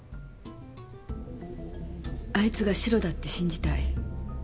あいつがシロだって信じたい。